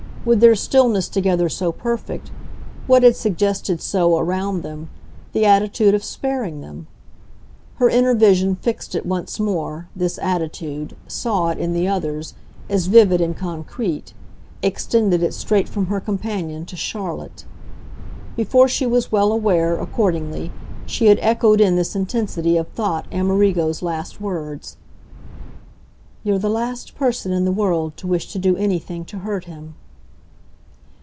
With their stillness together so perfect, what had suggested so, around them, the attitude of sparing them? Her inner vision fixed it once more, this attitude, saw it, in the others, as vivid and concrete, extended it straight from her companion to Charlotte. Before she was well aware, accordingly, she had echoed in this intensity of thought Amerigo's last words. "You're the last person in the world to wish to do anything to hurt him."